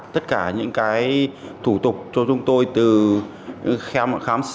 tất cả những cái thủ tục cho chúng tôi từ khám